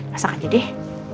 masak aja deh